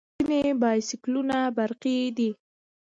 ځینې بایسکلونه برقي دي.